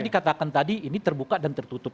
dikatakan tadi ini terbuka dan tertutup